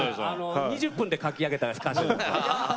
２０分で書き上げた。